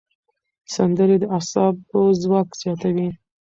سندرې د اعصابو ځواک زیاتوي.